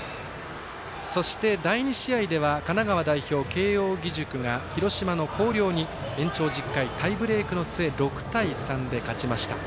そして、第２試合では神奈川代表、慶応義塾が広島の広陵に延長１０回タイブレークの末６対３で勝ちました。